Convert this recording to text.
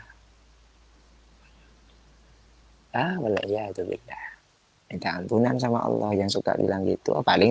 hai ah belajar juga tidak antunan sama allah yang suka bilang gitu paling